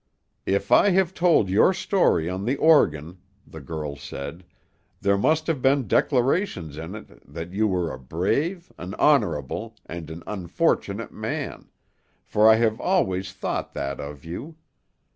"If I have told your story on the organ," the girl said, "there must have been declarations in it that you were a brave, an honorable, and an unfortunate man, for I have always thought that of you.